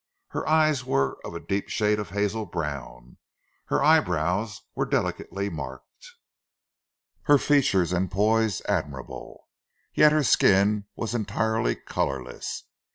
Her eyes were of a deep shade of hazel brown, her eyebrows were delicately marked, her features and poise admirable. Yet her skin was entirely colourless.